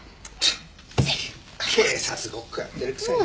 警察ごっこやってるくせに。